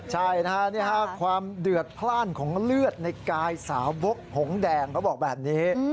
ใช่นะฮะความเดือดพลาดของเลือดในกายสาวบกหงแดงเขาบอกแบบนี้